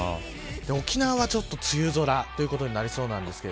沖縄はちょっと梅雨空ということになりそうです。